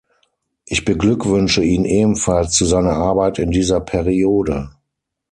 Ich beglückwünsche ihn ebenfalls zu seiner Arbeit in dieser Periode.